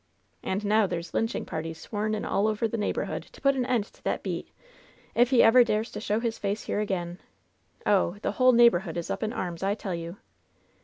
And now there's lynching parties sworn in all over the neighborhood to put an end to that beat if ever he dares to show his face here again. Oh! the whole neighborhood is up in arms, I tell you